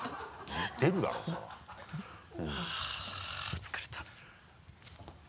あぁ疲れた。